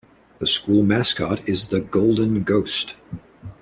The school mascot is the "Golden Ghost".